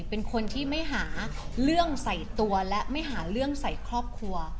เป็นคนที่ไม่หาเรื่องใส่ตัวและไม่หาเรื่องใส่ครอบครัว